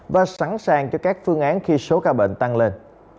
và sẵn sàng cho các phương án khi số ca bệnh tăng lên